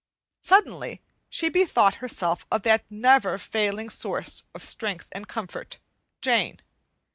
Suddenly she bethought herself of that never failing source of strength and comfort, Jane.